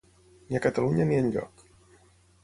Ni a Catalunya ni enlloc.